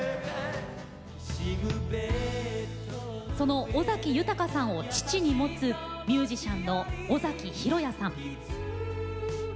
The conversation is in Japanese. その尾崎さんを父に持つミュージシャンの尾崎裕哉さん。